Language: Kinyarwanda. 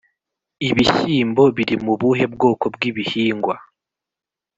ibishyimbo biri mu buhe bwoko bw’ibihingwa